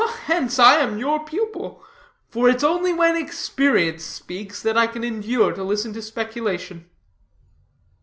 "Hence am I your pupil; for it's only when experience speaks, that I can endure to listen to speculation."